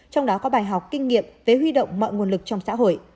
trong đó có bài học kinh nghiệm về huy động mọi nguồn lực trong xã hội